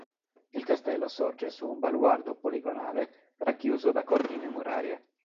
Il castello sorge su un baluardo poligonale racchiuso da cortine murarie.